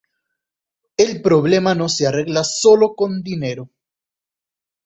El problema no se arregla sólo con dinero.